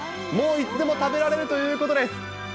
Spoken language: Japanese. もういつでも食べられるということです。